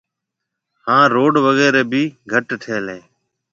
ھان روڊ وغيرھ ڀِي گھٽ ٺھيَََل ھيََََ